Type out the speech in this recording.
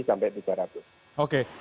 sampai tiga ratus oke